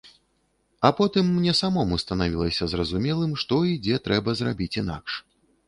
А потым мне самому станавілася зразумелым, што і дзе трэба зрабіць інакш.